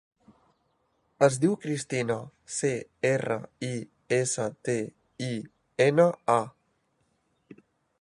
Es diu Cristina: ce, erra, i, essa, te, i, ena, a.